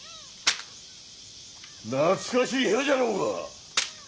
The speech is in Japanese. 懐かしい部屋じゃろうが。